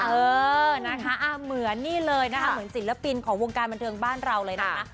เออนะคะเหมือนนี่เลยนะคะเหมือนศิลปินของวงการบันเทิงบ้านเราเลยนะคะ